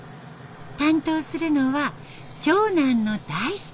担当するのは長男の大祐さん。